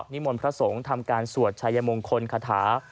นิมนต์พระสงฆ์ทำการสวดชายมงคลคาถา